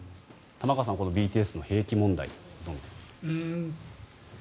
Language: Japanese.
玉川さんはこのＢＴＳの兵役問題どう見ていますか？